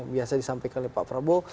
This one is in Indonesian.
biasa disampaikan oleh pak prabowo